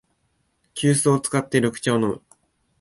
急須を使って緑茶を飲む